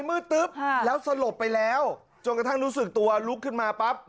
มืดตึ๊บแล้วสลบไปแล้วจนกระทั่งรู้สึกตัวลุกขึ้นมาปั๊บ